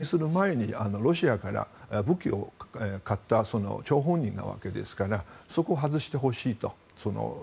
なぜかというと大臣に就任する前にロシアから武器を買った張本人なわけですからそこの制裁を外してほしいと。